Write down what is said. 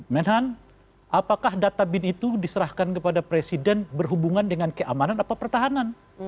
menhan apakah data bin itu diserahkan kepada presiden berhubungan dengan keamanan atau pertahanan